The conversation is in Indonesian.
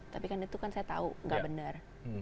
tapi kan itu kan saya tahu nggak benar